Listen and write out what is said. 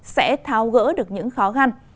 sẽ tháo gỡ được những khó găn